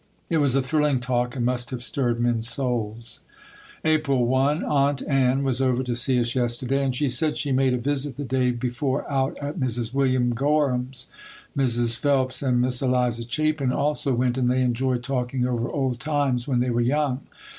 It was a thrilling talk and must have stirred men's souls. April 1. Aunt Ann was over to see us yesterday and she said she made a visit the day before out at Mrs. William Gorham's. Mrs. Phelps and Miss Eliza Chapin also went and they enjoyed talking over old times when they were young.